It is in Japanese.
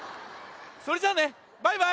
それじゃあねバイバイ！